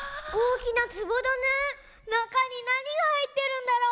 なかになにがはいってるんだろう。